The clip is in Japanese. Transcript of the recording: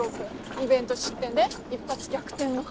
イベント出展で一発逆転のはずが。